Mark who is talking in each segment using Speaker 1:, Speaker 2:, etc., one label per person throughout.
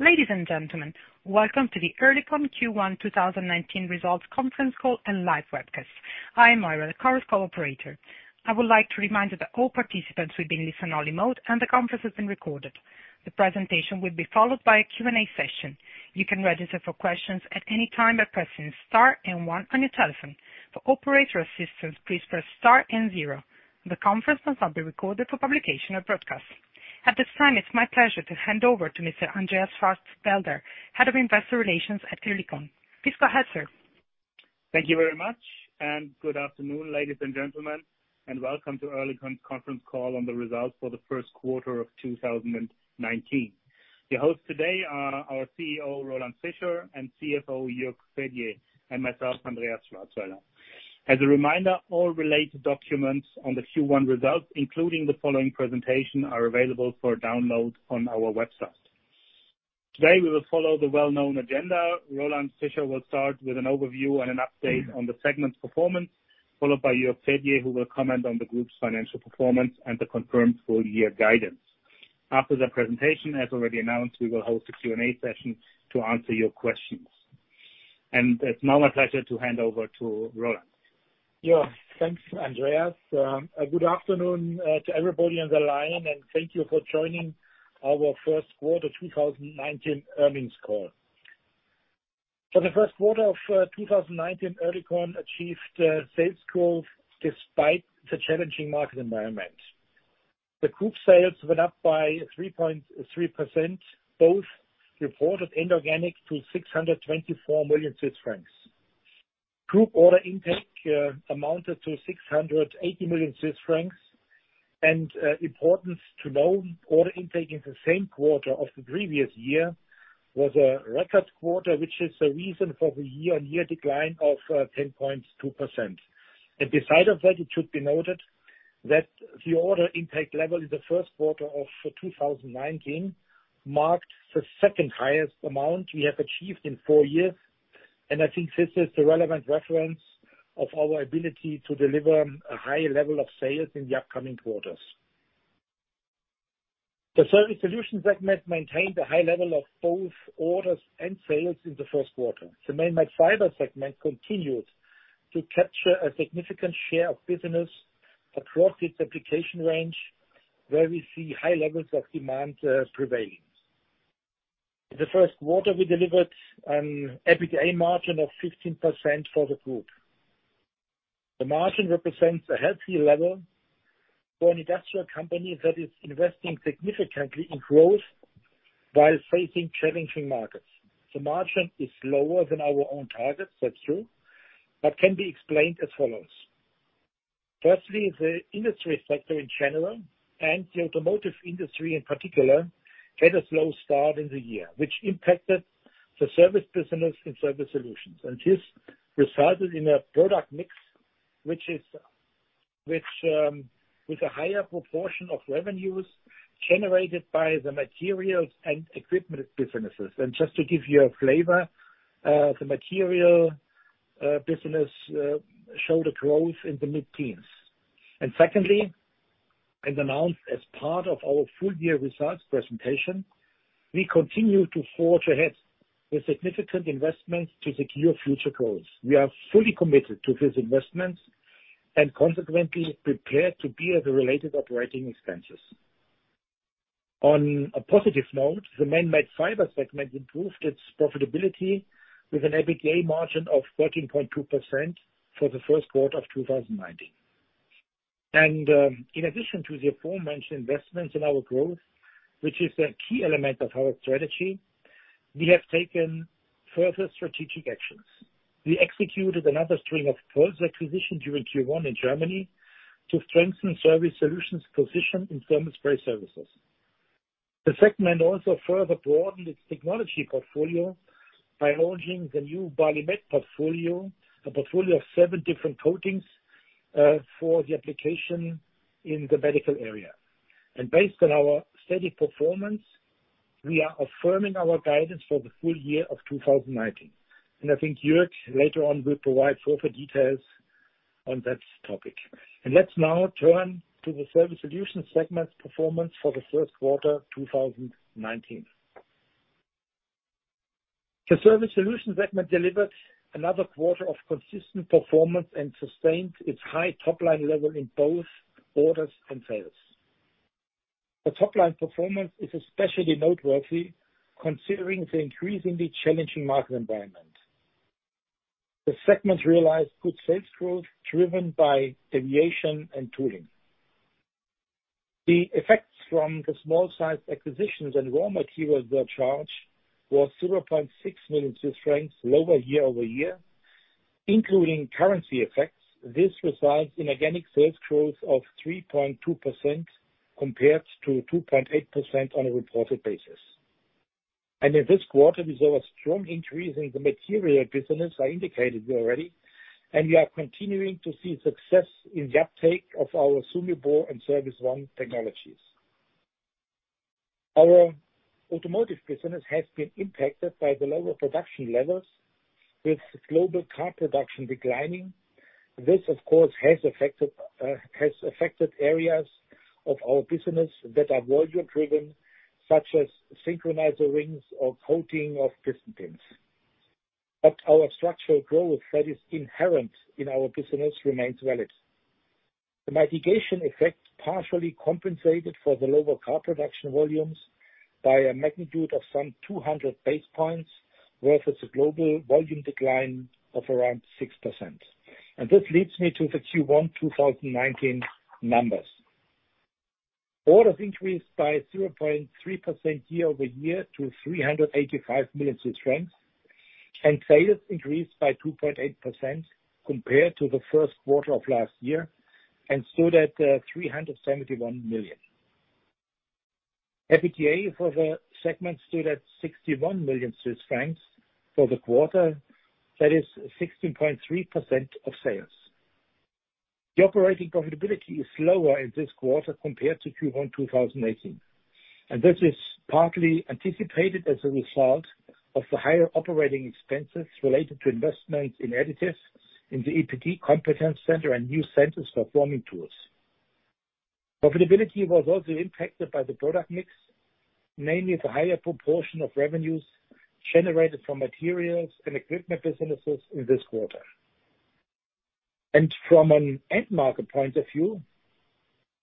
Speaker 1: Ladies and gentlemen, welcome to the OC Oerlikon Q1 2019 results conference call and live webcast. I am Ira, the current call operator. I would like to remind you that all participants will be in listen-only mode, and the conference is being recorded. The presentation will be followed by a Q&A session. You can register for questions at any time by pressing star and one on your telephone. For operator assistance, please press star and zero. The conference will not be recorded for publication or broadcast. At this time, it is my pleasure to hand over to Mr. Andreas Schwarzwalder, Head of Investor Relations at OC Oerlikon. Please go ahead, sir.
Speaker 2: Thank you very much. Good afternoon, ladies and gentlemen, and welcome to OC Oerlikon's conference call on the results for the first quarter of 2019. Your hosts today are our CEO, Roland Fischer, and CFO, Jürg Fedier, and myself, Andreas Schwarzwalder. As a reminder, all related documents on the Q1 results, including the following presentation, are available for download on our website. Today, we will follow the well-known agenda. Roland Fischer will start with an overview and an update on the segment's performance, followed by Jürg Fedier, who will comment on the group's financial performance and the confirmed full-year guidance. After the presentation, as already announced, we will host a Q&A session to answer your questions. It is now my pleasure to hand over to Roland.
Speaker 3: Thanks, Andreas. Good afternoon to everybody on the line, and thank you for joining our first quarter 2019 earnings call. For the first quarter of 2019, OC Oerlikon achieved sales growth despite the challenging market environment. The group sales went up by 3.3%, both reported inorganic to 624 million Swiss francs. Group order intake amounted to 680 million Swiss francs. Importance to note, order intake in the same quarter of the previous year was a record quarter, which is the reason for the year-on-year decline of 10.2%. Beside of that, it should be noted that the order intake level in the first quarter of 2019 marked the second highest amount we have achieved in four years. I think this is the relevant reference of our ability to deliver a high level of sales in the upcoming quarters. The Surface Solutions segment maintained a high level of both orders and sales in the first quarter. The Polymer Processing Solutions segment continued to capture a significant share of business across its application range, where we see high levels of demand prevailing. In the first quarter, we delivered an EBITDA margin of 15% for the group. The margin represents a healthy level for an industrial company that is investing significantly in growth while facing challenging markets. The margin is lower than our own targets, that is true, but can be explained as follows. Firstly, the industry sector in general and the automotive industry in particular, had a slow start in the year, which impacted the service business in Surface Solutions. This resulted in a product mix, with a higher proportion of revenues generated by the materials and equipment businesses. Just to give you a flavor, the material business showed a growth in the mid-teens. Secondly, as announced as part of our full-year results presentation, we continue to forge ahead with significant investments to secure future growth. We are fully committed to these investments and consequently prepared to bear the related operating expenses. On a positive note, the Man-Made Fiber segment improved its profitability with an EBITDA margin of 13.2% for the first quarter of 2019. In addition to the aforementioned investments in our growth, which is a key element of our strategy, we have taken further strategic actions. We executed another string of post-acquisition during Q1 in Germany to strengthen Surface Solutions position in thermal spray services. The segment also further broadened its technology portfolio by launching the new BALIMED portfolio, a portfolio of seven different coatings for the application in the medical area. Based on our steady performance, we are affirming our guidance for the full year of 2019. I think Jürg, later on, will provide further details on that topic. Let's now turn to the Surface Solutions segment performance for the first quarter 2019. The Surface Solutions segment delivered another quarter of consistent performance and sustained its high top-line level in both orders and sales. The top-line performance is especially noteworthy considering the increasingly challenging market environment. The segment realized good sales growth driven by aviation and tooling. The effects from the small-sized acquisitions and raw materials surcharge was CHF 0.6 million lower year-over-year, including currency effects. This results in organic sales growth of 3.2% compared to 2.8% on a reported basis. In this quarter, we saw a strong increase in the material business I indicated already, and we are continuing to see success in the uptake of our SUMEBore and Surface ONE technologies. Our automotive business has been impacted by the lower production levels, with global car production declining. This, of course, has affected areas of our business that are volume-driven, such as synchronizer rings or coating of piston pins. Our structural growth that is inherent in our business remains valid. The mitigation effect partially compensated for the lower car production volumes by a magnitude of some 200 basis points, whereas it's a global volume decline of around 6%. This leads me to the Q1 2019 numbers. Orders increased by 0.3% year-over-year to 385 million Swiss francs, and sales increased by 2.8% compared to the first quarter of last year, and stood at 371 million. EBITDA for the segment stood at 61 million Swiss francs for the quarter. That is 16.3% of sales. The operating profitability is lower in this quarter compared to Q1 2018, and this is partly anticipated as a result of the higher operating expenses related to investments in additive in the ePD Competence Center and new centers for forming tools. Profitability was also impacted by the product mix, mainly the higher proportion of revenues generated from materials and equipment businesses in this quarter. From an end market point of view,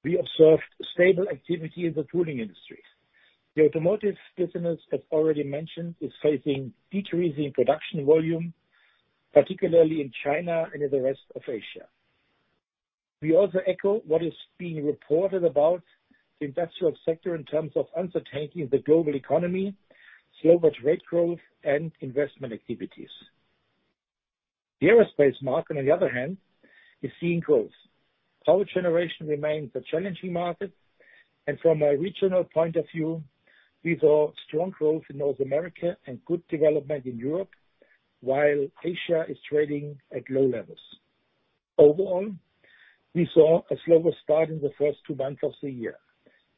Speaker 3: we observed stable activity in the tooling industry. The automotive business, as already mentioned, is facing decreasing production volume, particularly in China and the rest of Asia. We also echo what is being reported about the industrial sector in terms of uncertainty in the global economy, slower trade growth, and investment activities. The aerospace market, on the other hand, is seeing growth. Power generation remains a challenging market. From a regional point of view, we saw strong growth in North America and good development in Europe, while Asia is trading at low levels. Overall, we saw a slower start in the first two months of the year.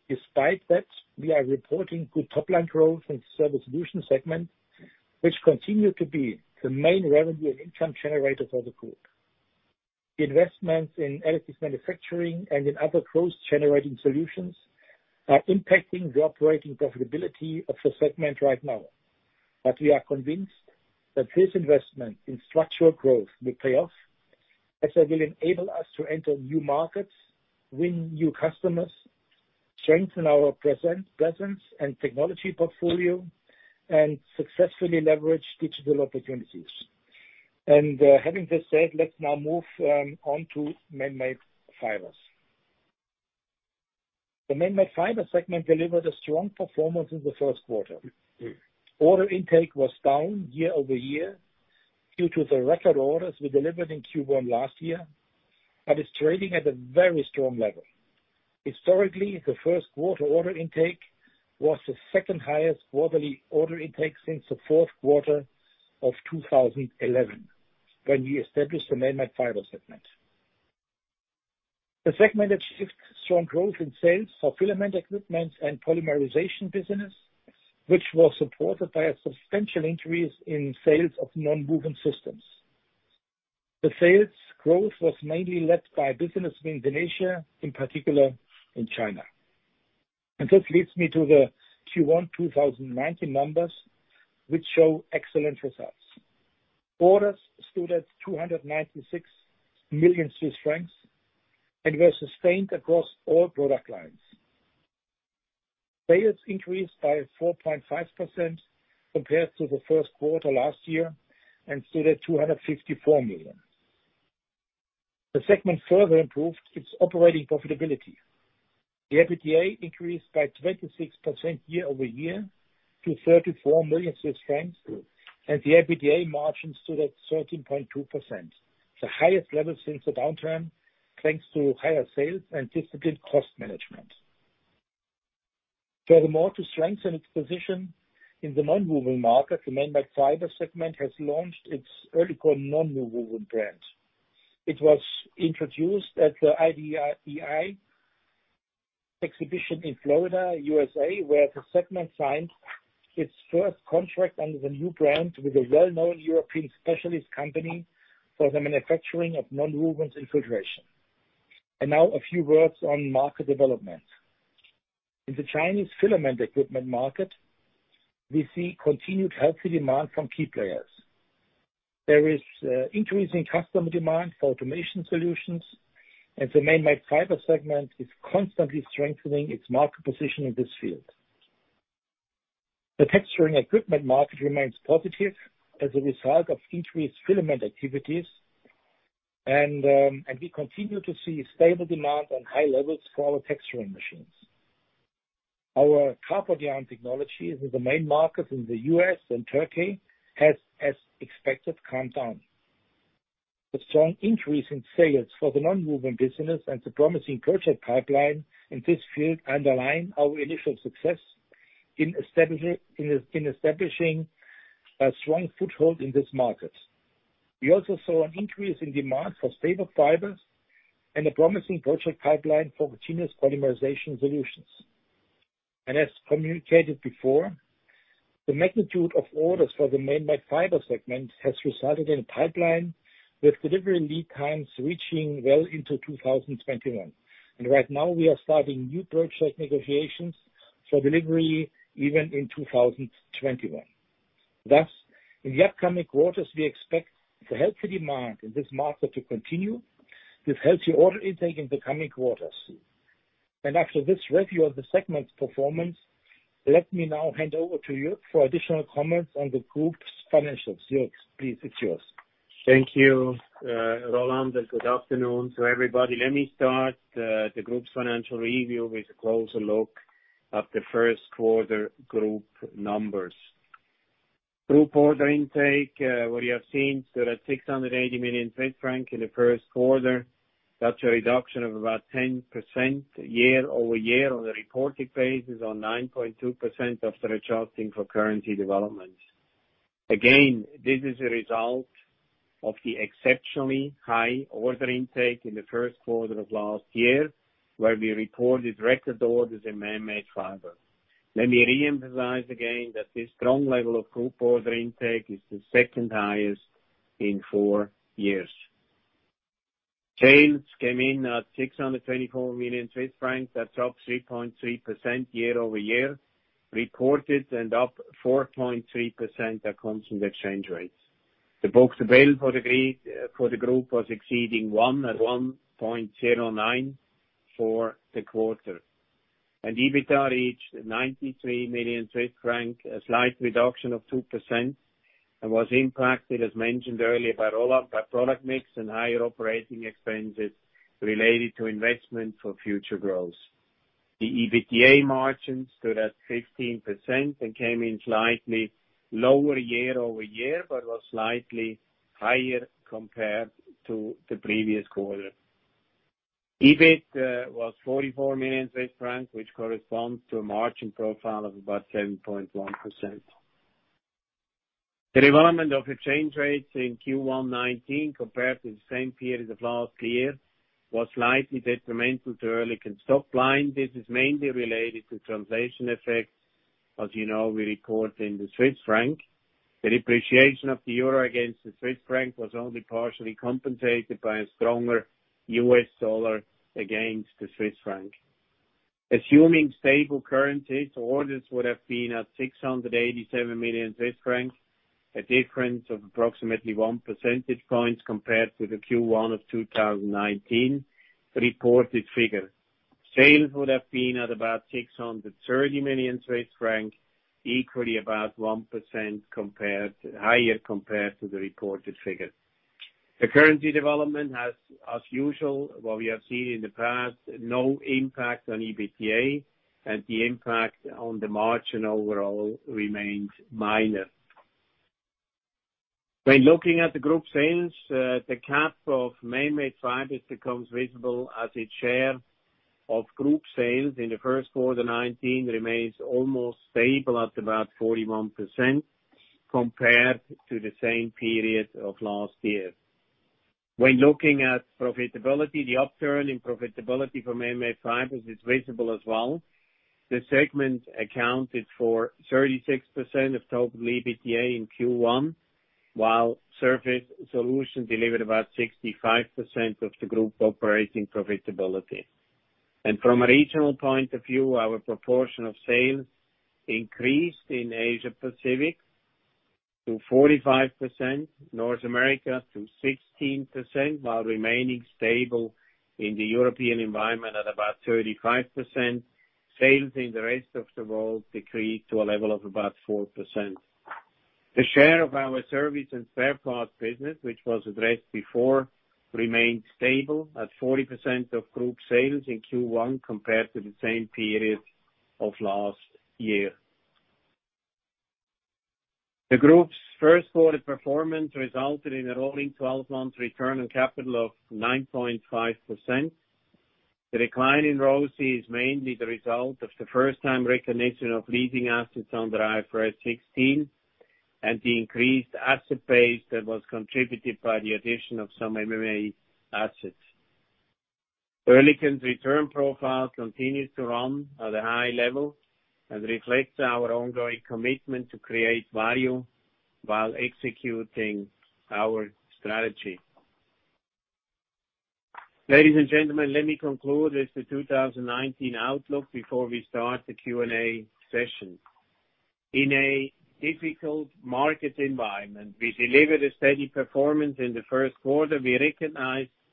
Speaker 3: Despite that, we are reporting good top-line growth in the Surface Solutions segment, which continue to be the main revenue and income generator for the group. Investments in additive manufacturing and in other growth-generating solutions are impacting the operating profitability of the segment right now. We are convinced that this investment in structural growth will pay off, as it will enable us to enter new markets, win new customers, strengthen our presence and technology portfolio, and successfully leverage digital opportunities. Having this said, let's now move on to Manmade Fibers. The Manmade Fiber segment delivered a strong performance in the first quarter. Order intake was down year-over-year due to the record orders we delivered in Q1 last year, but it's trading at a very strong level. Historically, the first quarter order intake was the second highest quarterly order intake since the fourth quarter of 2011, when we established the Manmade Fiber segment. The segment achieved strong growth in sales for filament equipments and polymerization business, which was supported by a substantial increase in sales of nonwoven systems. The sales growth was mainly led by business in Indonesia, in particular in China. This leads me to the Q1 2019 numbers, which show excellent results. Orders stood at 296 million Swiss francs and were sustained across all product lines. Sales increased by 4.5% compared to the first quarter last year and stood at 254 million. The segment further improved its operating profitability. The EBITDA increased by 26% year-over-year to CHF 34 million, and the EBITDA margins stood at 13.2%, the highest level since the downturn, thanks to higher sales and disciplined cost management. Furthermore, to strengthen its position in the nonwoven market, the Manmade Fiber segment has launched its Oerlikon Nonwoven brand. It was introduced at the IDEA exhibition in Florida, U.S.A., where the segment signed its first contract under the new brand with a well-known European specialist company for the manufacturing of nonwovens in filtration. Now a few words on market development. In the Chinese filament equipment market, we see continued healthy demand from key players. There is increasing customer demand for automation solutions, the Manmade Fiber segment is constantly strengthening its market position in this field. The texturing equipment market remains positive as a result of increased filament activities, we continue to see stable demand and high levels for our texturing machines. Our carpet yarn technology in the main markets in the U.S. and Turkey has, as expected, calmed down. The strong increase in sales for the nonwoven business and the promising project pipeline in this field underline our initial success in establishing a strong foothold in this market. We also saw an increase in demand for staple fibers and a promising project pipeline for continuous polymerization solutions. As communicated before, the magnitude of orders for the manmade fiber segment has resulted in a pipeline with delivery lead times reaching well into 2021. Right now, we are starting new project negotiations for delivery even in 2021. Thus, in the upcoming quarters, we expect the healthy demand in this market to continue with healthy order intake in the coming quarters. After this review of the segment's performance, let me now hand over to Jürg for additional comments on the group's financials. Jürg, please, it's yours.
Speaker 4: Thank you, Roland, and good afternoon to everybody. Let me start the group's financial review with a closer look at the first quarter group numbers. Group order intake, what you have seen, stood at 680 million francs in the first quarter. That's a reduction of about 10% year-over-year on the reported basis, or 9.2% after adjusting for currency developments. Again, this is a result of the exceptionally high order intake in the first quarter of last year, where we reported record orders in manmade fiber. Let me reemphasize again that this strong level of group order intake is the second highest in four years. Sales came in at 624 million Swiss francs. That's up 3.3% year-over-year reported and up 4.3% accounting the exchange rates. The book-to-bill for the group was exceeding one at 1.09 for the quarter. EBITDA reached 93 million Swiss francs, a slight reduction of 2% and was impacted, as mentioned earlier, by product mix and higher operating expenses related to investment for future growth. The EBITDA margin stood at 15% and came in slightly lower year-over-year, but was slightly higher compared to the previous quarter. EBIT was 44 million Swiss francs, which corresponds to a margin profile of about 7.1%. The development of exchange rates in Q1 2019 compared to the same period of last year was slightly detrimental to Oerlikon's top line. This is mainly related to translation effects. As you know, we record in the Swiss franc. The depreciation of the EUR against the Swiss franc was only partially compensated by a stronger USD against the Swiss franc. Assuming stable currencies, orders would have been at 687 million Swiss francs, a difference of approximately one percentage point compared to the Q1 of 2019 reported figure. Sales would have been at about 630 million Swiss francs, equally about 1% higher compared to the reported figure. The currency development has, as usual, what we have seen in the past, no impact on EBITDA, and the impact on the margin overall remained minor. When looking at the group sales, the cap of manmade fibers becomes visible as its share of group sales in the first quarter 2019 remains almost stable at about 41% compared to the same period of last year. When looking at profitability, the upturn in profitability from manmade fibers is visible as well. The segment accounted for 36% of total EBITDA in Q1, while Surface Solutions delivered about 65% of the group operating profitability. From a regional point of view, our proportion of sales increased in Asia Pacific to 45%, North America to 16%, while remaining stable in the European environment at about 35%. Sales in the rest of the world decreased to a level of about 4%. The share of our service and spare parts business, which was addressed before, remained stable at 40% of group sales in Q1 compared to the same period of last year. The group's first quarter performance resulted in a rolling 12 months return on capital of 9.5%. The decline in ROCE is mainly the result of the first time recognition of leasing assets under IFRS 16 and the increased asset base that was contributed by the addition of some M&A assets. Oerlikon's return profile continues to run at a high level and reflects our ongoing commitment to create value while executing our strategy. Ladies and gentlemen, let me conclude with the 2019 outlook before we start the Q&A session. In a difficult market environment, we delivered a steady performance in the first quarter. We recognize that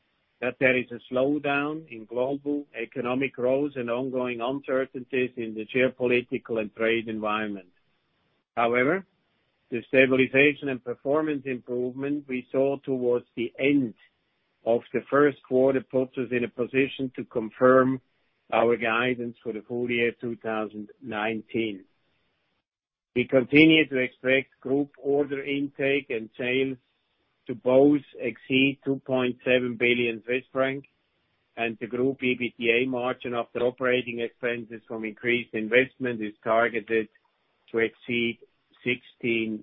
Speaker 4: there is a slowdown in global economic growth and ongoing uncertainties in the geopolitical and trade environment. The stabilization and performance improvement we saw towards the end of the first quarter puts us in a position to confirm our guidance for the full year 2019. We continue to expect group order intake and sales to both exceed 2.7 billion Swiss francs. The group EBITDA margin after operating expenses from increased investment is targeted to exceed 16%.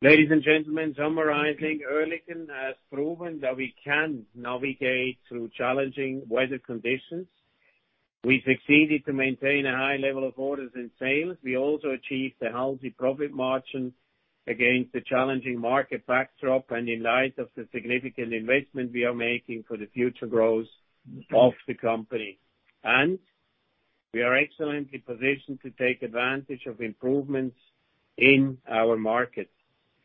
Speaker 4: Ladies and gentlemen, summarizing, Oerlikon has proven that we can navigate through challenging weather conditions. We succeeded to maintain a high level of orders and sales. We also achieved a healthy profit margin against the challenging market backdrop and in light of the significant investment we are making for the future growth of the company. We are excellently positioned to take advantage of improvements in our market,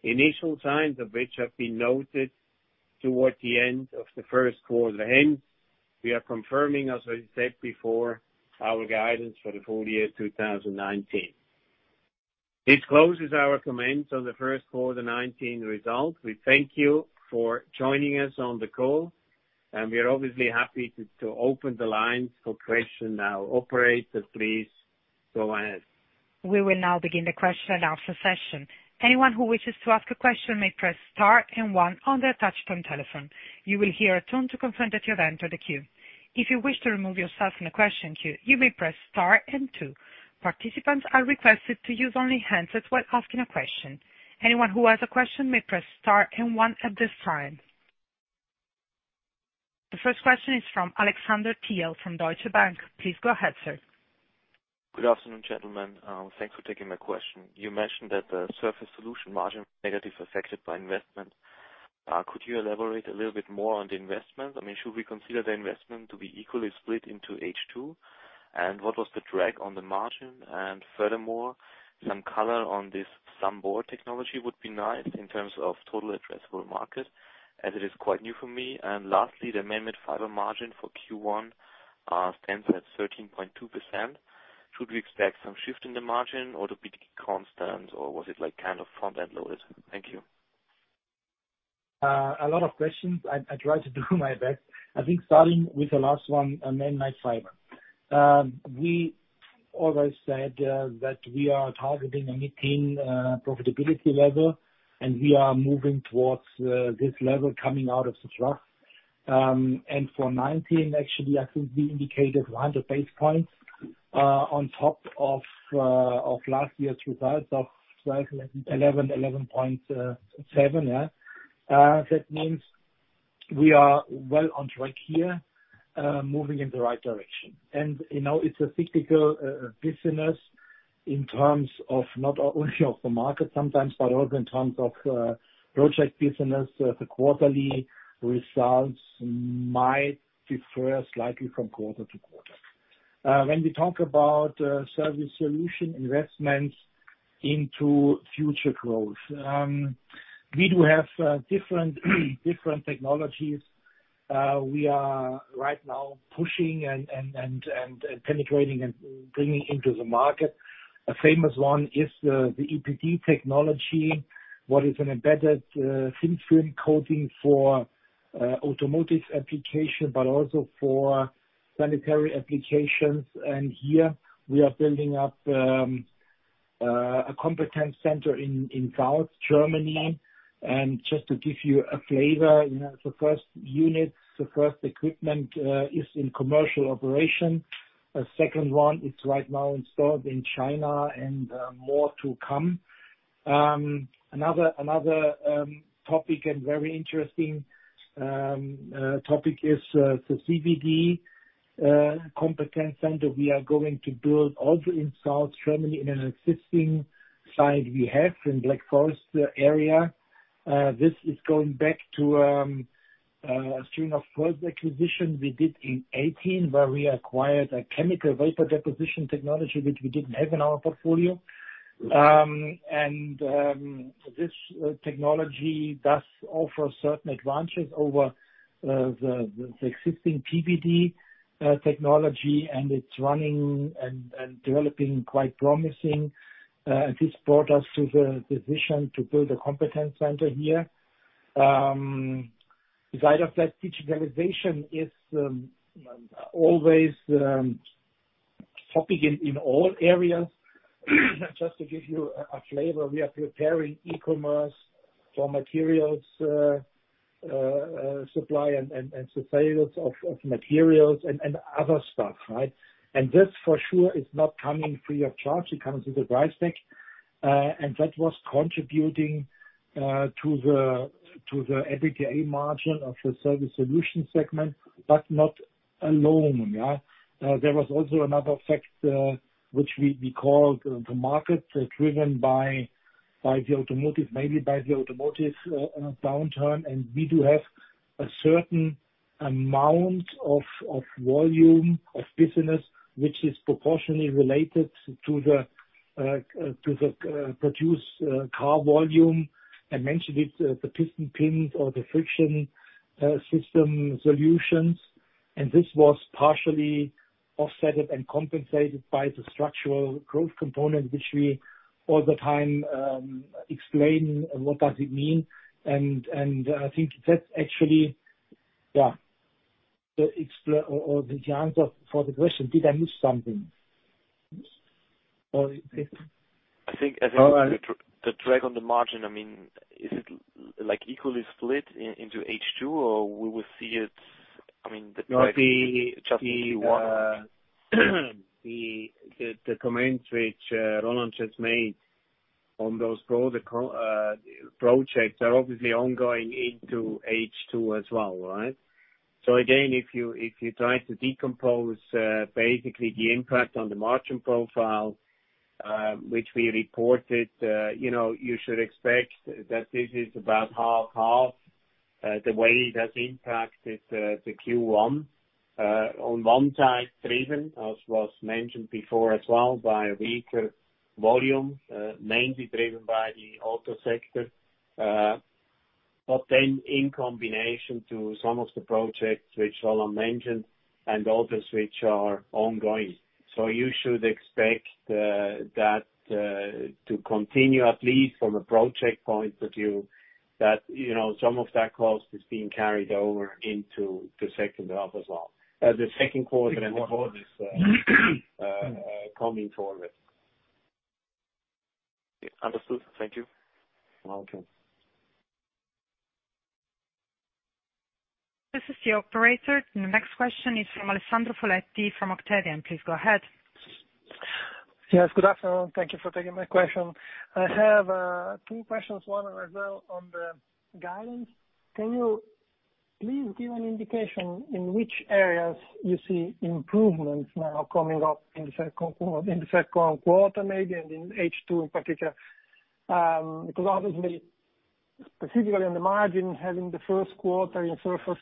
Speaker 4: initial signs of which have been noted towards the end of the first quarter. We are confirming, as I said before, our guidance for the full year 2019. This closes our comments on the first quarter 2019 results. We thank you for joining us on the call, and we are obviously happy to open the lines for questions now. Operator, please go ahead.
Speaker 1: We will now begin the question and answer session. Anyone who wishes to ask a question may press star and one on their touchtone telephone. You will hear a tone to confirm that you have entered the queue. If you wish to remove yourself from the question queue, you may press star and two. Participants are requested to use only handsets while asking a question. Anyone who has a question may press star and one at this time. The first question is from Alexander Thiel from Deutsche Bank. Please go ahead, sir.
Speaker 5: Good afternoon, gentlemen. Thanks for taking my question. You mentioned that the Surface Solutions margin negatively affected by investment. Could you elaborate a little bit more on the investment? I mean, should we consider the investment to be equally split into H2? What was the drag on the margin? Furthermore, some color on this SUMEBore technology would be nice in terms of total addressable market, as it is quite new for me. Lastly, the man-made fiber margin for Q1 stands at 13.2%. Should we expect some shift in the margin or to be constant, or was it kind of front-end loaded? Thank you.
Speaker 4: A lot of questions. I try to do my best. I think starting with the last one on man-made fiber. We always said that we are targeting a mid-teen profitability level, and we are moving towards this level coming out of the trough. For 2019, actually, I think we indicated 100 basis points on top of last year's results of 11.7. That means we are well on track here, moving in the right direction. It's a cyclical business in terms of not only of the market sometimes, but also in terms of project business. The quarterly results might differ slightly from quarter to quarter. When we talk about Surface Solutions investments into future growth. We do have different technologies. We are right now pushing and penetrating and bringing into the market. A famous one is the ePD technology, what is an embedded thin film coating for automotive application, but also for sanitary applications. Here we are building up a competence center in South Germany. Just to give you a flavor, the first unit, the first equipment is in commercial operation. A second one is right now installed in China, and more to come. Another topic and very interesting topic is the CVD competence center we are going to build also in South Germany in an existing site we have in Black Forest area. This is going back to a string of first acquisition we did in 2018, where we acquired a chemical vapor deposition technology, which we didn't have in our portfolio. This technology does offer certain advantages over the existing PVD technology, and it's running and developing quite promising. This brought us to the decision to build a competence center here. Aside of that, digitalization is always a topic in all areas. Just to give you a flavor, we are preparing e-commerce for materials supply and sales of materials and other stuff. This for sure is not coming free of charge. It comes with a price tag. That was contributing to the EBITDA margin of the Surface Solutions segment, but not alone. There was also another factor which we call the market driven by the automotive, mainly by the automotive downturn. We do have a certain amount of volume of business which is proportionally related to the produced car volume. I mentioned it, the piston pins or the Friction Systems solutions. This was partially offset and compensated by the structural growth component, which we all the time explain what does it mean. I think that's actually the answer for the question. Did I miss something?
Speaker 5: I think-
Speaker 4: All right
Speaker 5: the drag on the margin, is it equally split into H2, or we will see it I mean, the-
Speaker 4: The comments which Roland just made on those projects are obviously ongoing into H2 as well, right? Again, if you try to decompose basically the impact on the margin profile, which we reported, you should expect that this is about half/half, the way it has impacted the Q1. On one side, driven, as was mentioned before as well, by weaker volume, mainly driven by the auto sector. In combination to some of the projects which Roland mentioned and others which are ongoing. You should expect that to continue, at least from a project point of view, that some of that cost is being carried over into the second half as well. The second quarter and what is coming forward.
Speaker 5: Understood. Thank you.
Speaker 4: Welcome.
Speaker 1: This is the operator. The next question is from Alessandro Poletti from Octavian. Please go ahead.
Speaker 6: Yes. Good afternoon. Thank you for taking my question. I have two questions, one as well on the guidance. Can you please give an indication in which areas you see improvements now coming up in the second quarter maybe, and in H2 in particular? Obviously, specifically on the margin, having the first quarter in surface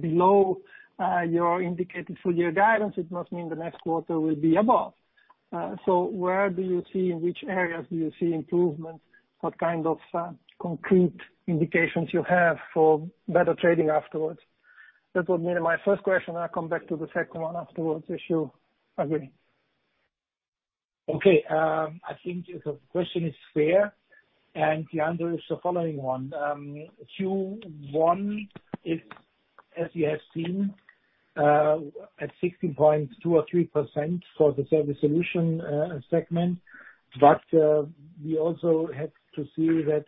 Speaker 6: below your indicated full-year guidance, it must mean the next quarter will be above. Where do you see, in which areas do you see improvements? What kind of concrete indications you have for better trading afterwards? That would be my first question, and I'll come back to the second one afterwards, if you agree.
Speaker 4: Okay. I think the question is fair. The answer is the following one. Q1 is, as you have seen, at 16.2 or 3% for the Surface Solutions segment. We also have to see that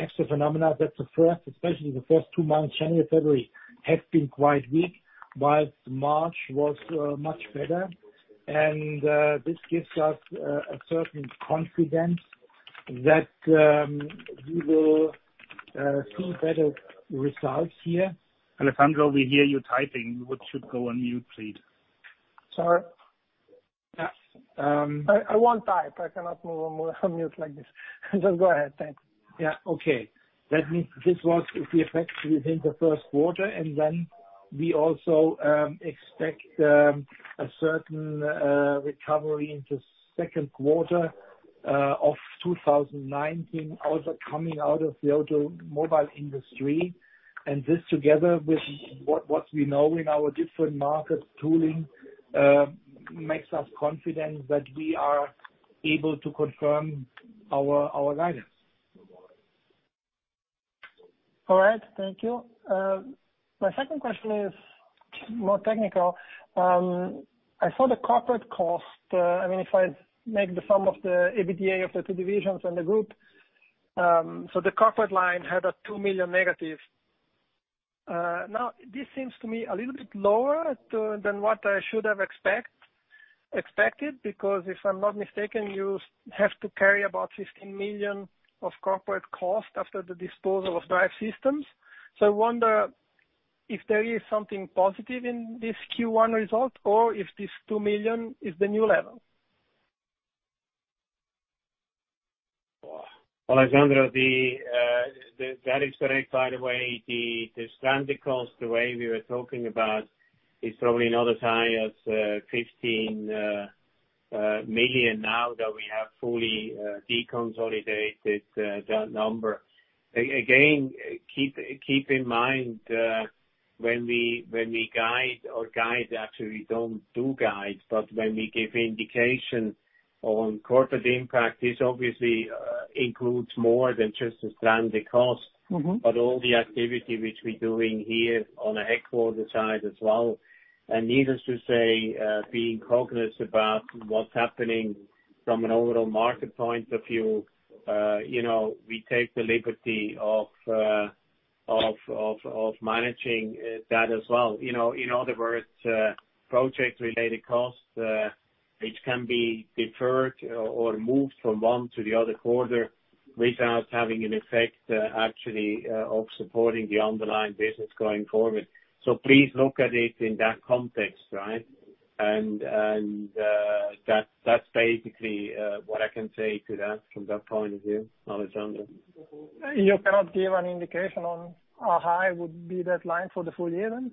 Speaker 4: extra phenomena that especially the first two months, January, February, have been quite weak, whilst March was much better. This gives us a certain confidence that we will see better results here. Alessandro, we hear you typing. You should go on mute, please.
Speaker 6: Sorry.
Speaker 4: Yeah.
Speaker 6: I won't type. I cannot move on mute like this. Just go ahead. Thanks.
Speaker 4: Yeah. Okay. That means this was the effect within the first quarter. We also expect a certain recovery into second quarter of 2019. Also coming out of the automobile industry, and this together with what we know in our different market tooling, makes us confident that we are able to confirm our guidance.
Speaker 6: All right. Thank you. My second question is more technical. I saw the corporate cost. If I make the sum of the EBITDA of the two divisions and the group, the corporate line had a 2 million negative. This seems to me a little bit lower than what I should have expected. If I'm not mistaken, you have to carry about 15 million of corporate cost after the disposal of Drive Systems. I wonder if there is something positive in this Q1 result or if this 2 million is the new level.
Speaker 4: Alessandro, that is correct. By the way, the stranded cost, the way we were talking about, is probably not as high as 15 million now that we have fully deconsolidated that number. Keep in mind, when we give indication on corporate impact, this obviously includes more than just the stranded cost. All the activity which we're doing here on the headquarter side as well. Needless to say, being cognizant about what's happening from an overall market point of view, we take the liberty of managing that as well. In other words, project-related costs, which can be deferred or moved from one to the other quarter without having an effect, actually, of supporting the underlying business going forward. Please look at it in that context, right? That's basically what I can say to that from that point of view, Alessandro.
Speaker 6: You cannot give an indication on how high would be that line for the full year then?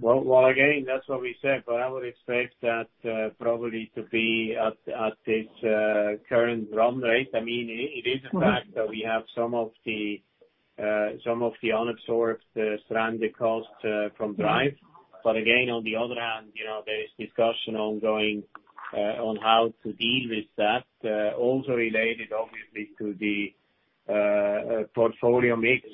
Speaker 4: Well, again, that's what we said. I would expect that probably to be at this current run rate. It is a fact that we have some of the unabsorbed stranded cost from Drive. Again, on the other hand, there is discussion ongoing on how to deal with that. Also related obviously to the portfolio mix.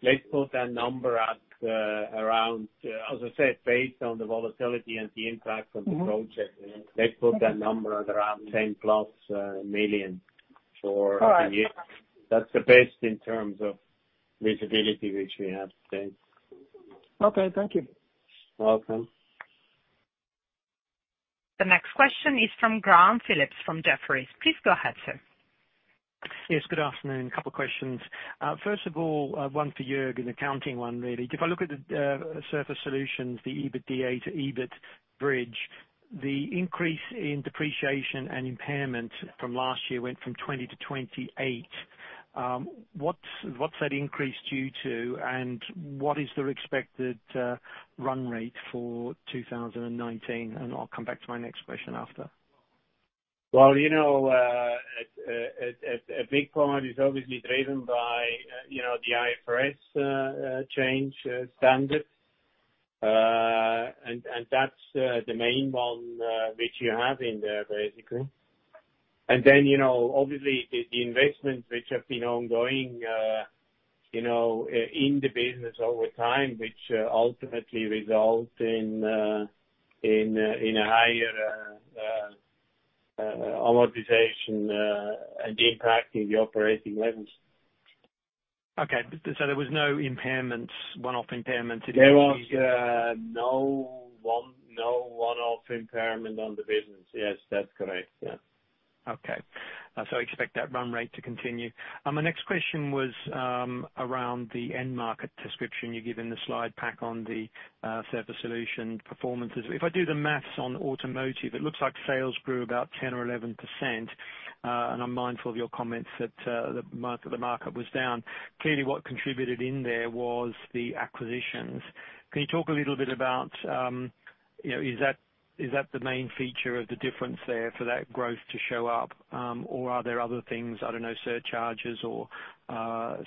Speaker 4: Let's put that number at around, as I said, based on the volatility and the impact of the project. Let's put that number at around 10 plus million for the year.
Speaker 3: All right. That's the best in terms of visibility which we have today.
Speaker 6: Okay, thank you.
Speaker 4: Welcome.
Speaker 1: The next question is from Graham Phillips from Jefferies. Please go ahead, sir.
Speaker 7: Yes, good afternoon. A couple of questions. First of all, one for Jürg, an accounting one, really. If I look at the Surface Solutions, the EBITDA to EBIT bridge, the increase in depreciation and impairment from last year went from 20 to 28. What's that increase due to, and what is the expected run rate for 2019? I'll come back to my next question after.
Speaker 4: Well, a big part is obviously driven by the IFRS change standards. That's the main one which you have in there, basically. Then obviously, the investments which have been ongoing in the business over time, which ultimately result in a higher amortization and impacting the operating levels.
Speaker 7: There was no one-off impairment in Q1.
Speaker 4: There was no one-off impairment on the business. Yes, that's correct. Yeah.
Speaker 7: Okay. Expect that run rate to continue. My next question was around the end market description you give in the slide pack on the Surface Solutions performances. If I do the math on automotive, it looks like sales grew about 10% or 11%, and I'm mindful of your comments that the market was down. Clearly, what contributed in there was the acquisitions. Can you talk a little bit about, is that the main feature of the difference there for that growth to show up? Or are there other things, I don't know, surcharges or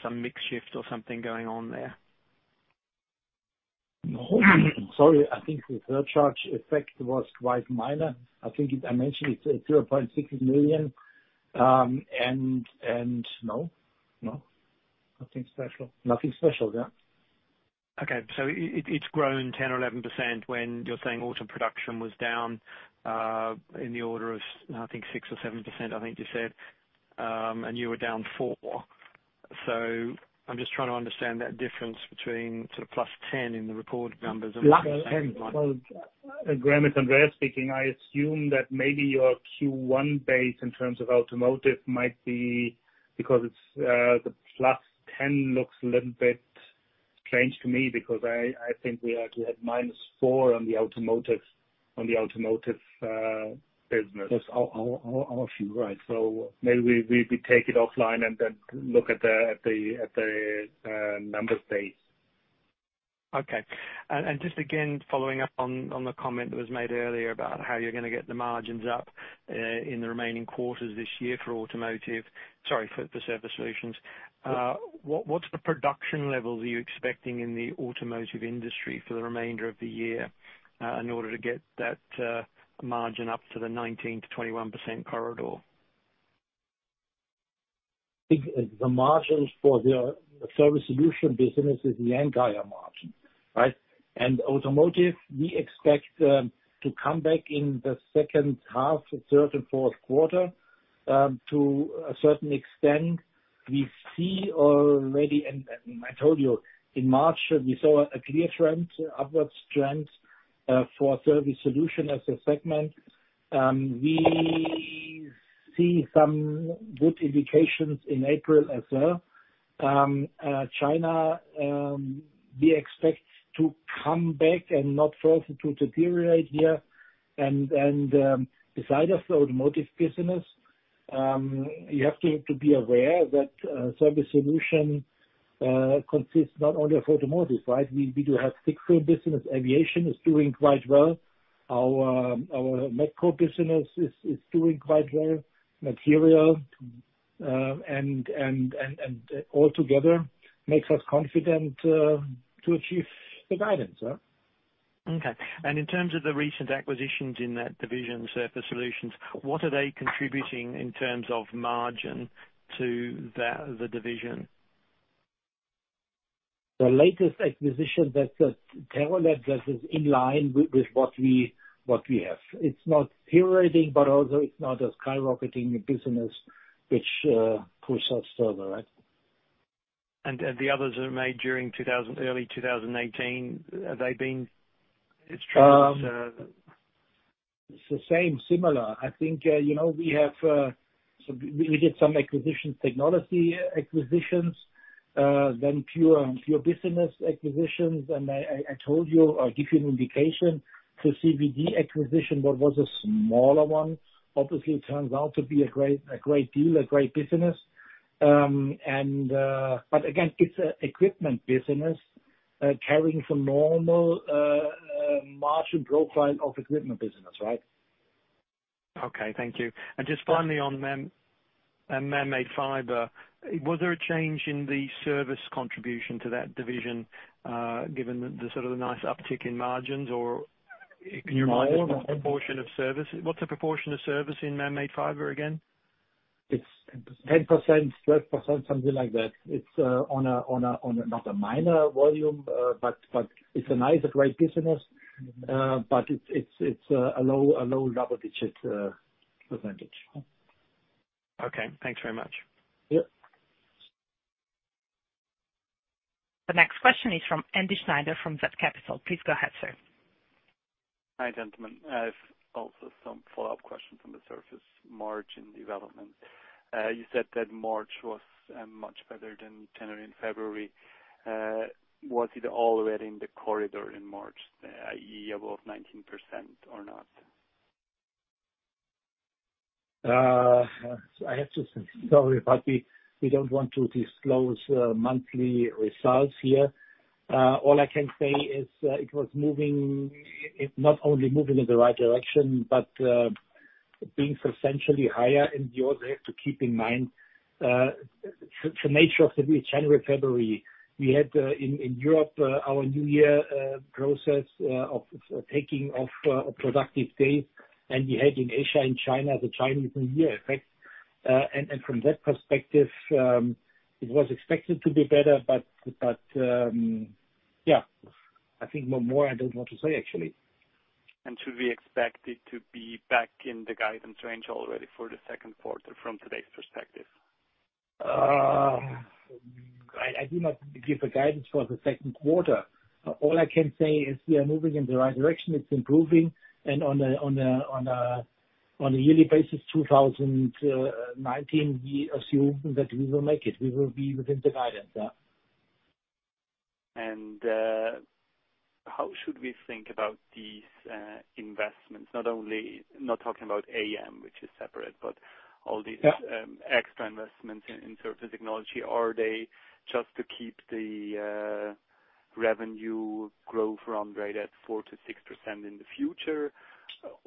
Speaker 7: some mix shift or something going on there?
Speaker 3: No. Sorry, I think the surcharge effect was quite minor. I think I mentioned it's 0.6 million. No. Nothing special.
Speaker 4: Nothing special. Yeah.
Speaker 7: Okay. It's grown 10% or 11% when you're saying auto production was down in the order of, I think, 6% or 7%, I think you said, and you were down four. I'm just trying to understand that difference between plus 10 in the reported numbers and-
Speaker 3: Plus 10.
Speaker 2: Graham, it's Andreas speaking. I assume that maybe your Q1 base in terms of automotive might be-- because the plus 10 looks a little bit strange to me because I think we actually had minus four on the automotive business. Yes. I'm with you. Right. Maybe we take it offline and then look at the numbers base.
Speaker 7: Okay. Just again, following up on the comment that was made earlier about how you're going to get the margins up in the remaining quarters this year for the Surface Solutions. What's the production level you're expecting in the automotive industry for the remainder of the year in order to get that margin up to the 19%-21% corridor?
Speaker 3: I think the margins for the Surface Solutions business is the entire margin, right? Automotive, we expect to come back in the second half, third, and fourth quarter, to a certain extent. We see already, and I told you, in March, we saw a clear trend, upwards trend, for Surface Solutions as a segment. We see some good indications in April as well. China, we expect to come back and not further to deteriorate here. Beside us, the automotive business, you have to be aware that Surface Solutions consists not only of automotive, right? We do have sixth business. Aviation is doing quite well. Our Metco business is doing quite well. Material. Altogether, makes us confident to achieve the guidance. Yeah.
Speaker 7: Okay. In terms of the recent acquisitions in that division, Surface Solutions, what are they contributing in terms of margin to the division?
Speaker 3: The latest acquisition that TeroLab that is in line with what we have. It is not deteriorating, but also it is not a skyrocketing business which pulls us over, right?
Speaker 7: The others that were made during early 2018, have they been as strong as-
Speaker 3: It is the same, similar. I think we did some acquisitions, technology acquisitions, then pure business acquisitions, I told you, I will give you an indication. CVD acquisition, what was a smaller one, obviously it turns out to be a great deal, a great business. Again, it is an equipment business carrying some normal margin profile of equipment business, right?
Speaker 7: Okay, thank you. Just finally on man-made fiber, was there a change in the service contribution to that division, given the sort of nice uptick in margins? Can you remind us what the proportion of service in man-made fiber again?
Speaker 3: It's 10%, 12%, something like that. It's on not a minor volume, but it's a nice, great business. It's a low double-digit percentage.
Speaker 7: Okay, thanks very much.
Speaker 3: Yeah.
Speaker 1: The next question is from [Andy Schneider from VEB Capital]. Please go ahead, sir.
Speaker 8: Hi, gentlemen. I have also some follow-up questions on the Surface Solutions margin development. You said that March was much better than January and February. Was it already in the corridor in March, i.e., above 19% or not?
Speaker 3: I have to say sorry. We don't want to disclose monthly results here. All I can say is it was not only moving in the right direction, but being substantially higher in the order to keep in mind, the nature of January, February. We had in Europe our new year process of taking of productive days. We had in Asia and China, the Chinese New Year effect. From that perspective, it was expected to be better. I think more I don't want to say, actually.
Speaker 8: Should we expect it to be back in the guidance range already for the second quarter from today's perspective?
Speaker 3: I do not give a guidance for the second quarter. All I can say is we are moving in the right direction. It's improving. On a yearly basis, 2019, we assume that we will make it. We will be within the guidance.
Speaker 8: How should we think about these investments? Not talking about AM, which is separate.
Speaker 3: Yeah
Speaker 8: extra investments in surface technology. Are they just to keep the revenue growth run rate at 4%-6% in the future,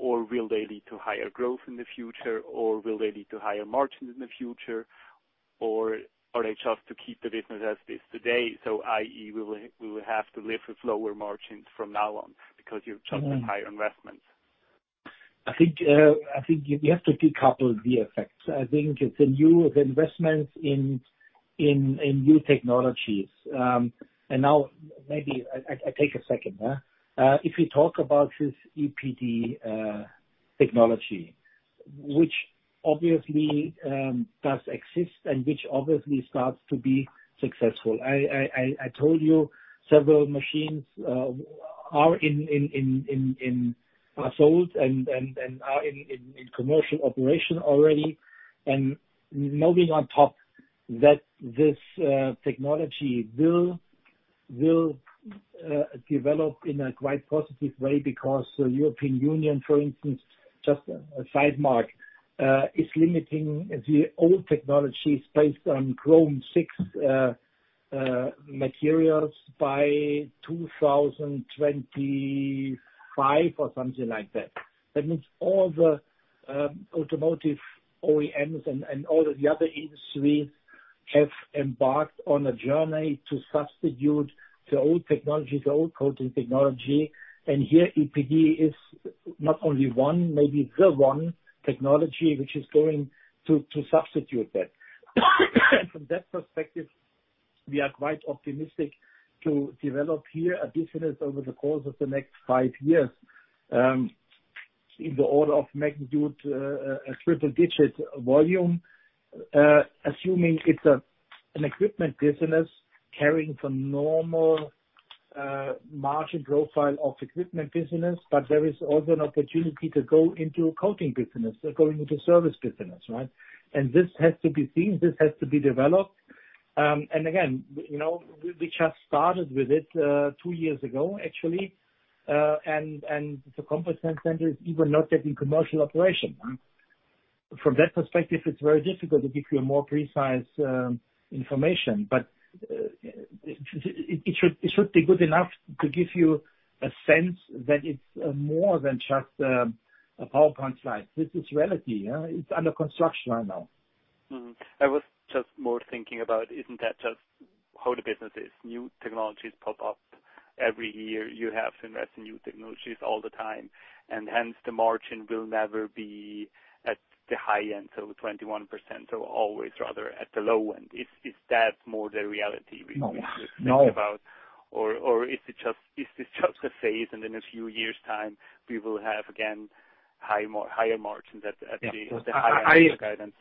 Speaker 8: or will they lead to higher growth in the future, or will they lead to higher margins in the future? Are they just to keep the business as is today? i.e., we will have to live with lower margins from now on because you've chosen higher investments.
Speaker 3: I think you have to decouple the effects. I think it's a new investment in new technologies. Now maybe I take a second. If we talk about this ePD technology, which obviously does exist and which obviously starts to be successful. I told you several machines are sold and are in commercial operation already. Moving on top that this technology will develop in a quite positive way because the European Union, for instance, just a side mark, is limiting the old technologies based on chromium-6 materials by 2025 or something like that. That means all the automotive OEMs and all the other industries have embarked on a journey to substitute the old technology, the old coating technology. Here, ePD is not only one, maybe the one technology which is going to substitute that. From that perspective, we are quite optimistic to develop here a business over the course of the next five years, in the order of magnitude, a triple-digit volume, assuming it's an equipment business carrying the normal margin profile of equipment business. There is also an opportunity to go into coating business, going into service business, right? This has to be seen. This has to be developed. Again, we just started with it two years ago, actually. The competence center is even not yet in commercial operation. From that perspective, it's very difficult to give you a more precise information. It should be good enough to give you a sense that it's more than just a PowerPoint slide. This is reality. It's under construction right now.
Speaker 8: Mm-hmm. I was just more thinking about, isn't that just how the business is? New technologies pop up every year. You have to invest in new technologies all the time. Hence, the margin will never be at the high end, so 21%, so always rather at the low end. Is that more the reality we should.
Speaker 3: No
Speaker 8: Think about? Is this just a phase and in a few years' time, we will have again, higher margins at the higher end of the guidance?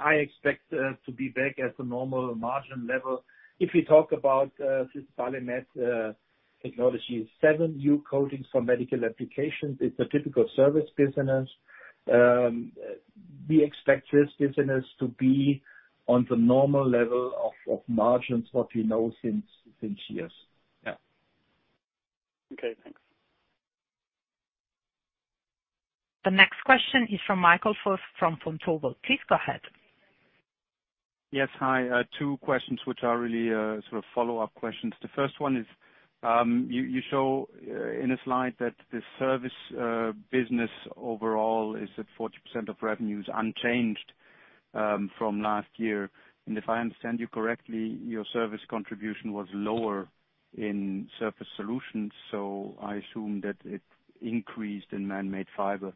Speaker 3: I expect to be back at the normal margin level. If you talk about this BALIMED technology, seven new coatings for medical applications. It's a typical service business. We expect this business to be on the normal level of margins, what we know since years. Yeah.
Speaker 8: Okay, thanks.
Speaker 1: The next question is from Michael Foeth from Vontobel. Please go ahead.
Speaker 9: Yes, hi. Two questions which are really sort of follow-up questions. The first one is, you show in a slide that the service business overall is at 40% of revenues, unchanged from last year. If I understand you correctly, your service contribution was lower in Surface Solutions, so I assume that it increased in Man-Made Fiber.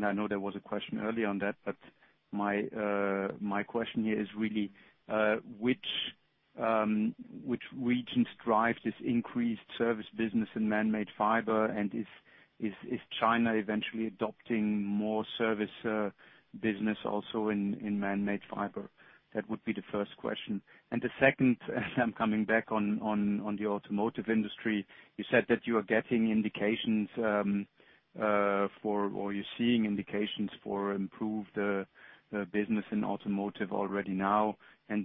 Speaker 9: I know there was a question earlier on that, but my question here is really which regions drive this increased service business in Man-Made Fiber? Is China eventually adopting more service business also in Man-Made Fiber? That would be the first question. The second, I'm coming back on the automotive industry. You said that you are getting indications or you're seeing indications for improved business in automotive already now.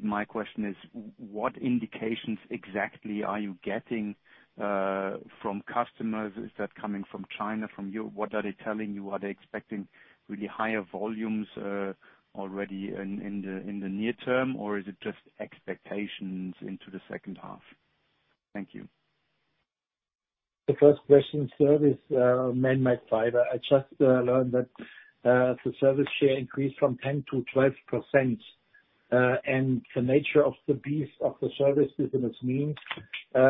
Speaker 9: My question is: what indications exactly are you getting from customers? Is that coming from China? What are they telling you? Are they expecting really higher volumes already in the near term, or is it just expectations into the second half? Thank you.
Speaker 3: The first question, service, Man-Made Fiber. I just learned that the service share increased from 10%-12%. The nature of the beast of the service business means,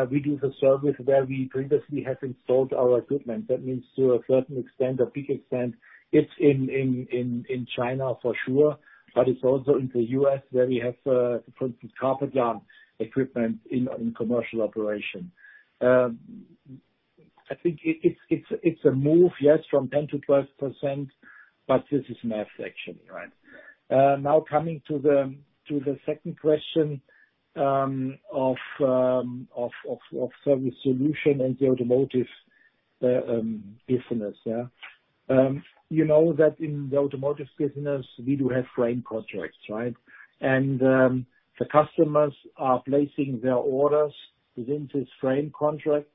Speaker 3: we do the service where we previously have installed our equipment. That means to a certain extent, a big extent, it's in China for sure, but it's also in the U.S. where we have, for instance, carpet yarn equipment in commercial operation. I think it's a move, yes, from 10%-12%, but this is math, actually. Now coming to the second question of Surface Solutions and the automotive business. You know that in the automotive business, we do have frame contracts, right? The customers are placing their orders within this frame contract,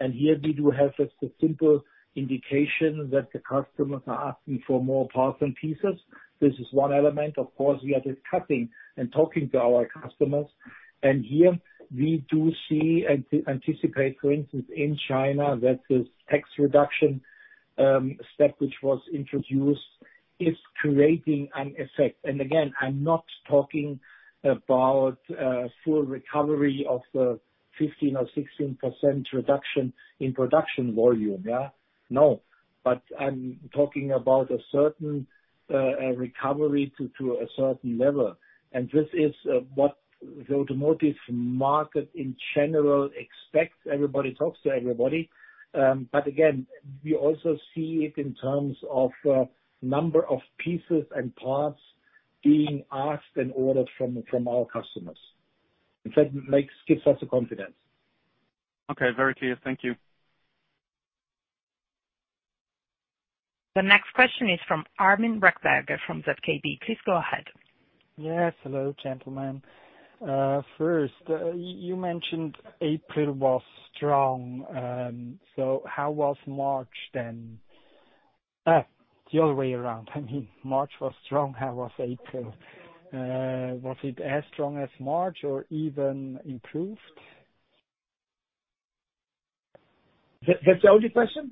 Speaker 3: and here we do have just a simple indication that the customers are asking for more parts and pieces. This is one element. Of course, we are discussing and talking to our customers. Here we do see and anticipate, for instance, in China, that this tax reduction step which was introduced is creating an effect. Again, I'm not talking about full recovery of the 15% or 16% reduction in production volume. No. I'm talking about a certain recovery to a certain level, and this is what the automotive market in general expects. Everybody talks to everybody. Again, we also see it in terms of number of pieces and parts being asked and ordered from our customers. In fact, it gives us the confidence.
Speaker 9: Okay. Very clear. Thank you.
Speaker 1: The next question is from Armin Rechberger from ZKB. Please go ahead.
Speaker 10: Yes. Hello, gentlemen. First, you mentioned April was strong. How was March then? The other way around. I mean, March was strong. How was April? Was it as strong as March or even improved?
Speaker 3: That's the only question?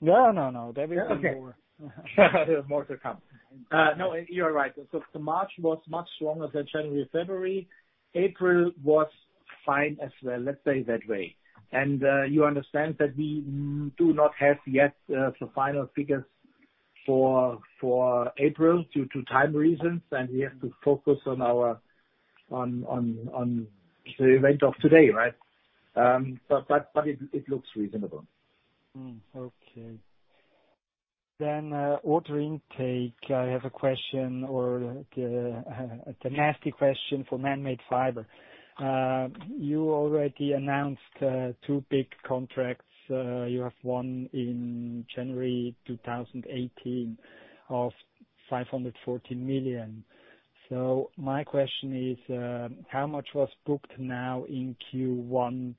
Speaker 10: No, no. There will be more.
Speaker 3: Okay.
Speaker 10: There's more to come.
Speaker 3: No, you are right. March was much stronger than January, February. April was fine as well, let's say that way. You understand that we do not have yet the final figures for April due to time reasons, and we have to focus on the event of today, right? It looks reasonable.
Speaker 10: Okay. Order intake. I have a question or a nasty question for Man-Made Fiber. You already announced two big contracts you have won in January 2018 of 514 million. My question is, how much was booked now in Q1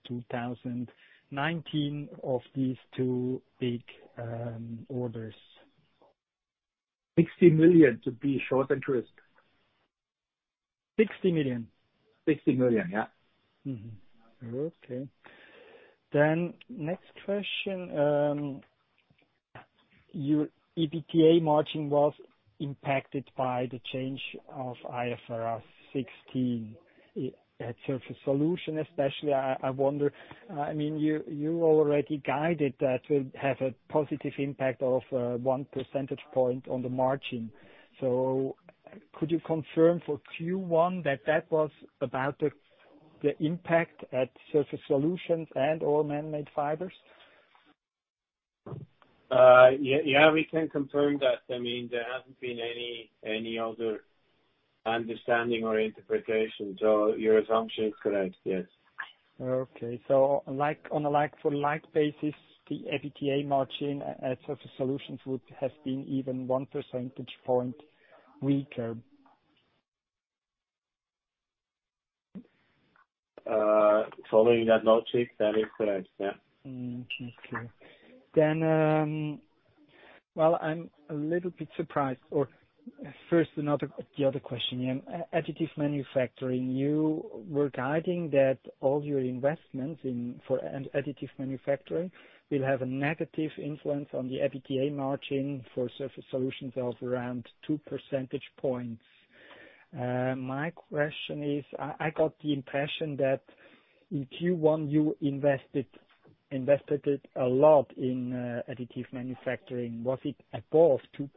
Speaker 10: 2019 of these two big orders?
Speaker 3: 60 million, to be short and crisp.
Speaker 10: 60 million?
Speaker 3: 60 million, yeah.
Speaker 10: Mm-hmm. Okay. Next question. Your EBITDA margin was impacted by the change of IFRS 16 at Surface Solutions especially. I wonder, you already guided that will have a positive impact of one percentage point on the margin. Could you confirm for Q1 that that was about the impact at Surface Solutions and all man-made fibers?
Speaker 4: Yeah, we can confirm that. There hasn't been any other understanding or interpretation, your assumption is correct, yes.
Speaker 10: Okay. On a like for like basis, the EBITDA margin at Surface Solutions would have been even one percentage point weaker.
Speaker 4: Following that logic, that is correct, yeah.
Speaker 10: Okay. I'm a little bit surprised. First, the other question. Additive manufacturing. You were guiding that all your investments in for additive manufacturing will have a negative influence on the EBITDA margin for Surface Solutions of around two percentage points. My question is, I got the impression that in Q1 you invested it a lot in additive manufacturing. Was it above 2%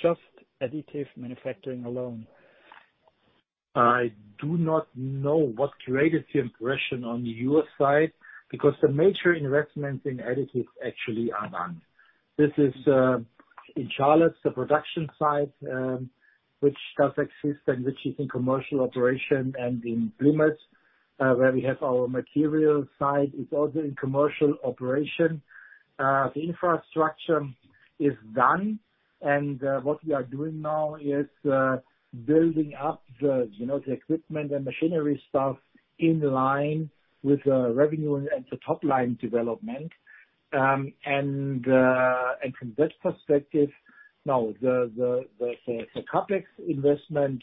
Speaker 10: just additive manufacturing alone?
Speaker 3: I do not know what created the impression on your side, because the major investments in additive actually are done. This is, in Charlotte, the production site, which does exist and which is in commercial operation and in Plymouth, where we have our material site. It is also in commercial operation. The infrastructure is done. What we are doing now is building up the equipment and machinery stuff in line with the revenue and the top-line development. From that perspective, now the CapEx investment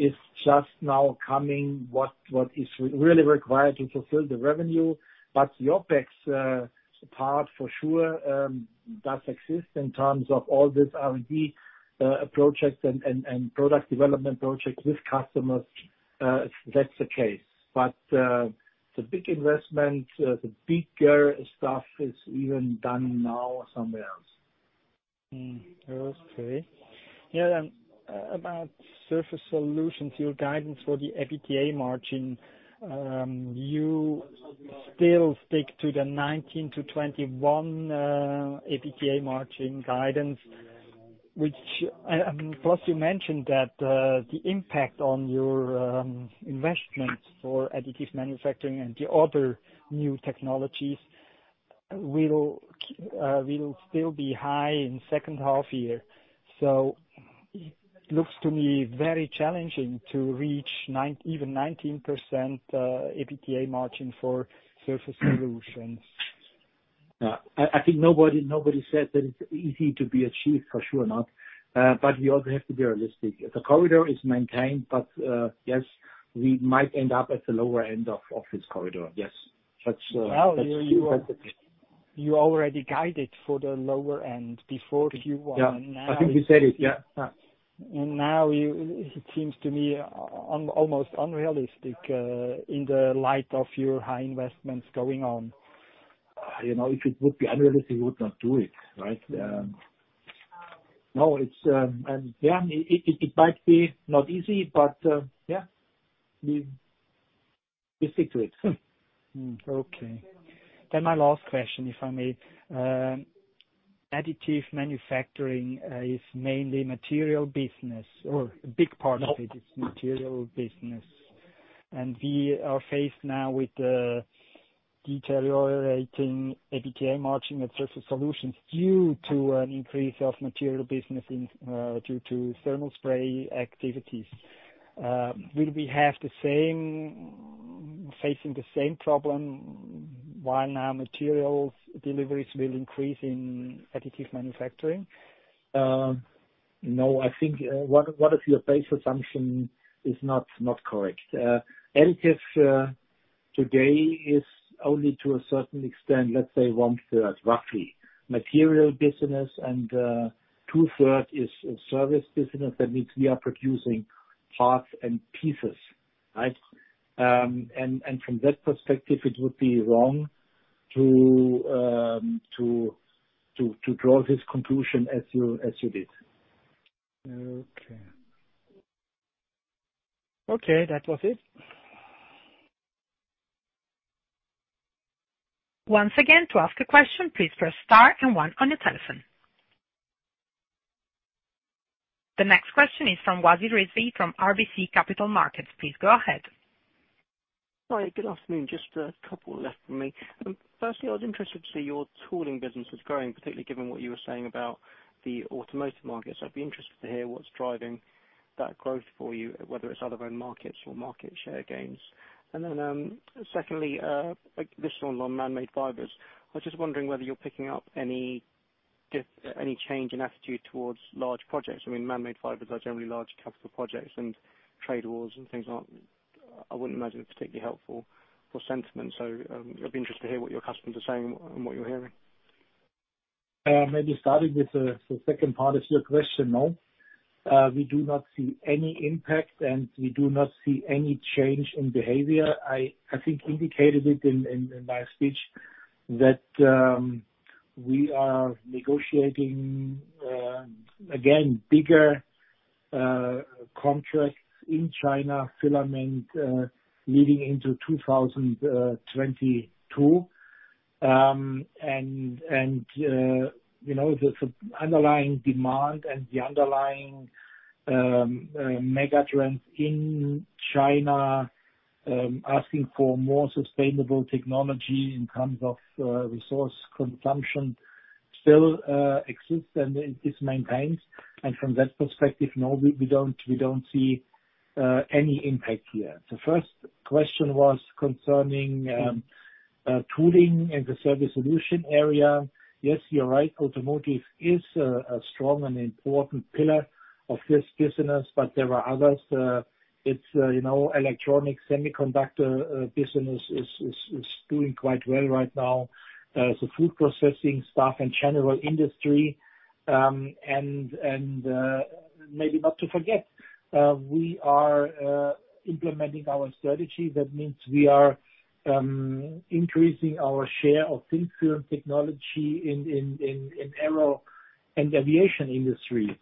Speaker 3: is just now coming, what is really required to fulfill the revenue. The OpEx part for sure does exist in terms of all this R&D projects and product development projects with customers. That's the case. The big investment, the bigger stuff is even done now somewhere else.
Speaker 10: Okay. About Surface Solutions, your guidance for the EBITDA margin, you still stick to the 19%-21% EBITDA margin guidance. Plus you mentioned that the impact on your investments for additive manufacturing and the other new technologies will still be high in second half year. It looks to me very challenging to reach even 19% EBITDA margin for Surface Solutions.
Speaker 3: I think nobody said that it is easy to be achieved, for sure not. We also have to be realistic. The corridor is maintained, yes, we might end up at the lower end of this corridor. Yes. That's.
Speaker 10: Well, you already guided for the lower end before Q1.
Speaker 3: Yeah. I think you said it. Yeah.
Speaker 10: Now it seems to me almost unrealistic in the light of your high investments going on.
Speaker 3: If it would be unrealistic, we would not do it. Right? No. It might be not easy, but yeah, we stick to it.
Speaker 10: Okay. my last question, if I may. Additive Manufacturing is mainly material business, or a big part of it
Speaker 3: No
Speaker 10: is material business. we are faced now with the deteriorating EBITDA margin at Surface Solutions due to an increase of material business due to thermal spray activities. Will we be facing the same problem while now materials deliveries will increase in Additive Manufacturing?
Speaker 3: No, I think one of your base assumption is not correct. Additive today is only to a certain extent, let's say one-third, roughly. Material business and two-third is service business. That means we are producing parts and pieces. from that perspective, it would be wrong to draw this conclusion as you did.
Speaker 10: Okay. That was it.
Speaker 1: Once again, to ask a question, please press star and one on your telephone. The next question is from Wasi Rizvi from RBC Capital Markets. Please go ahead.
Speaker 11: Hi, good afternoon. Just a couple left from me. Firstly, I was interested to see your tooling business is growing, particularly given what you were saying about the automotive market. I'd be interested to hear what's driving that growth for you, whether it's other own markets or market share gains. Secondly, this one on man-made fibers. I was just wondering whether you're picking up any change in attitude towards large projects. Man-made fibers are generally large capital projects and trade wars and things aren't I wouldn't imagine it's particularly helpful for sentiment. I'd be interested to hear what your customers are saying and what you're hearing.
Speaker 3: Maybe starting with the second part of your question. No, we do not see any impact, and we do not see any change in behavior. I think indicated it in my speech that we are negotiating again bigger contracts in China, filament leading into 2022. The underlying demand and the underlying mega trends in China, asking for more sustainable technology in terms of resource consumption still exists and is maintained. From that perspective, no, we don't see any impact here. The first question was concerning tooling in the Surface Solutions area. Yes, you're right, automotive is a strong and important pillar of this business, but there are others. Electronics, semiconductor business is doing quite well right now. Food processing stuff and general industry, and maybe not to forget, we are implementing our strategy. That means we are increasing our share of thin film technology in aero and aviation industry.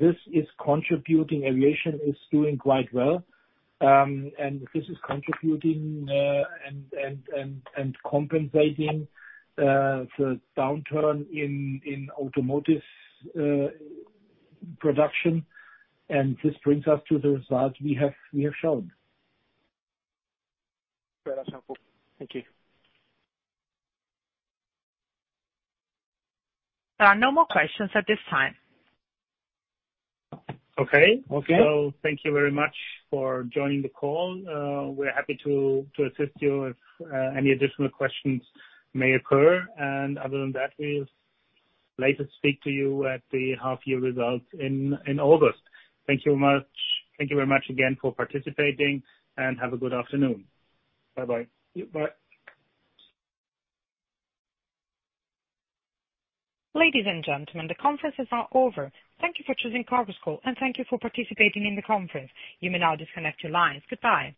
Speaker 3: This is contributing. Aviation is doing quite well. This is contributing and compensating the downturn in automotive production. This brings us to the result we have shown.
Speaker 11: Very helpful. Thank you.
Speaker 1: There are no more questions at this time.
Speaker 3: Okay. Okay. Thank you very much for joining the call. We're happy to assist you if any additional questions may occur. Other than that, we'd like to speak to you at the half year results in August. Thank you very much again for participating, and have a good afternoon. Bye-bye.
Speaker 10: Bye.
Speaker 1: Ladies and gentlemen, the conference is now over. Thank you for choosing Chorus Call, thank you for participating in the conference. You may now disconnect your lines. Goodbye.